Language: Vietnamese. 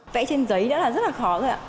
vẽ trên giấy đã là rất là khó rồi ạ